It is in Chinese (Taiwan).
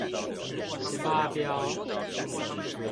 十八標